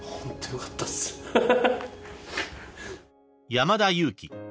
［山田裕貴］